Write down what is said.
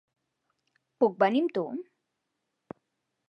Puc venir amb tu?